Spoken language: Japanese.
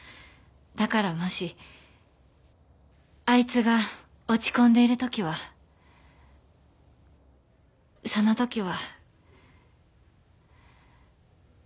だからもしあいつが落ち込んでいるときはそのときは